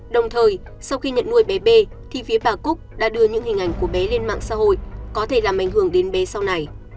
đồng thời sau khi nhận nuôi bé b thì phía bà cúc đã đưa những hình ảnh của bé lên mạng xã hội có thể làm ảnh hưởng đến bé sau này